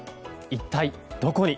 一体どこに。